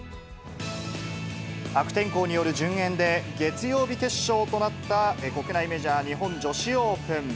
悪天候による順延で月曜日決勝となった国内メジャー、日本女子オープン。